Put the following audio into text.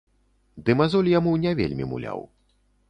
Ды мазоль яму не вельмі муляў.